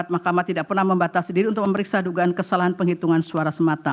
mahkamah tidak pernah membatasi diri untuk memeriksa dugaan kesalahan penghitungan suara semata